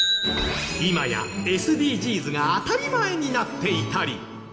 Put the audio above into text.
今やＳＤＧｓが当たり前になっていたり。